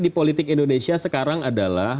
di politik indonesia sekarang adalah